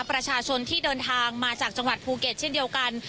ประชาชนที่เดินทางมาจากจังหวัดภูเก็ตเช่นเดียวกัน